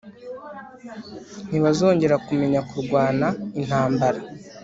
Ntibazongera kumenya kurwana intambara